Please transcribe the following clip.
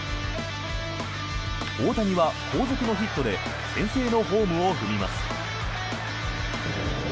大谷は後続のヒットで先制のホームを踏みます。